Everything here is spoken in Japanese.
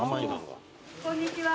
こんにちは。